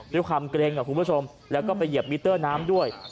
ด้วยความเกร็งคุณผู้ชมแล้วก็ไปเหยียบมิเตอร์น้ำด้วย